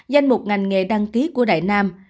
danh một ngành nghề đăng ký của đại nam